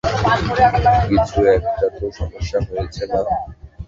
কিছু একটা তো সমস্যা হয়েছে, মা।